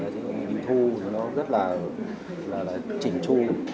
thì mình đi thu nó rất là chỉnh chu